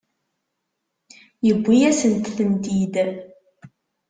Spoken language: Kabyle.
Yewwi-yasent-tent-id.